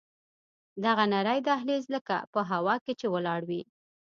دغه نرى دهلېز لکه په هوا کښې چې ولاړ وي.